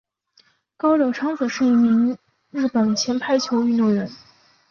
高柳昌子是一名日本前排球运动员。